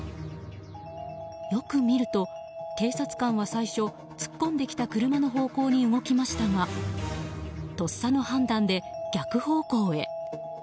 よく見ると警察官は最初、突っ込んできた車の方向に動きましたがとっさの判断で逆方向へ。